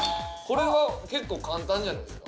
これは結構簡単じゃないですか？